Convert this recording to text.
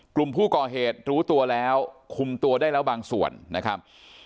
กลุ่มผู้ก่อเหตุรู้ตัวแล้วคุมตัวได้แล้วบางส่วนนะครับ